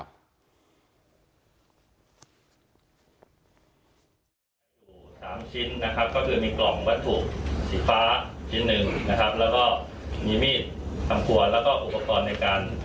อยู่๓ชิ้นนะครับก็คือมีกล่องวัตถุสีฟ้าชิ้นหนึ่งนะครับแล้วก็มีมีดทำครัวแล้วก็อุปกรณ์ในการ